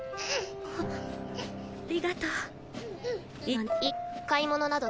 あありがとう。